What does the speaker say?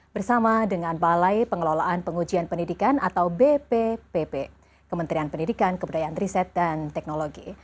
bersama dengan balai pengelolaan pengujian pendidikan atau bpp kementerian pendidikan kebudayaan riset dan teknologi